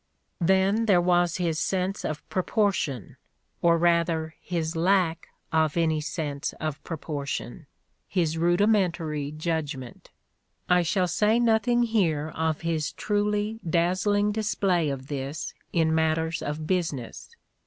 I Then there was his sense of proportion, or rather his lack of any sense of proportion, his rudimentary judg The Playboy in Letters 151 ment. I shall say nothing here of his truly dazzling display of this in matters of business.